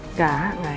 nggak nggak ada